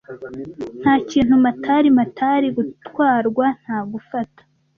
Ntakintu matari matari gutwarwa nta gufata.